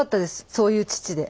そういう父で。